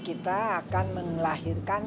kita akan mengelahirkan